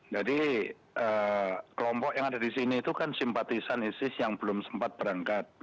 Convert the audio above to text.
jadi kelompok yang ada di sini itu kan simpatisan isis yang belum sempat berangkat